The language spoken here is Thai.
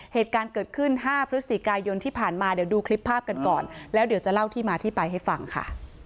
เหตุการณ์เกิดขึ้น๕พฤศจิกายนที่ผ่านมาเดี๋ยวดูคลิปภาพกันก่อนแล้วเดี๋ยวจะเล่าที่มาที่ไปให้ฟังค่ะ